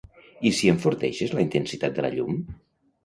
I si enforteixes la intensitat de la llum?